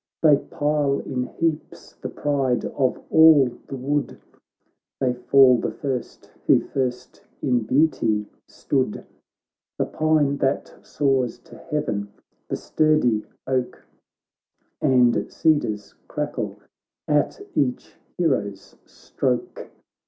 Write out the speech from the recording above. They pile in heaps the pride of all the wood ; They fall the first, who first in beauty stood : The pine that soars to heaven, the sturdy oak, And cedars crackle at each hero's stroke.